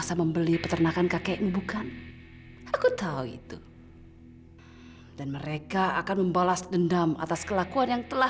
sampai jumpa di video selanjutnya